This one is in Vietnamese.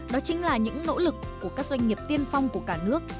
đó chính là những nỗ lực của các doanh nghiệp tiên phong của cả nước